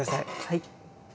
はい。